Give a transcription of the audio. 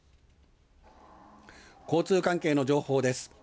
交通関係の情報です。